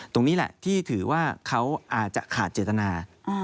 ตรงนี้แหละที่ถือว่าเขาอาจจะขาดเจตนา